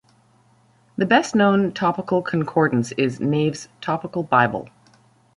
The best-known topical concordance is Nave's Topical Bible.